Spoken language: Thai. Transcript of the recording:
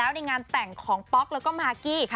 ในงานแต่งของโป๊คแลก็มามหาร์กิ